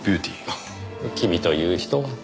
あっ君という人は。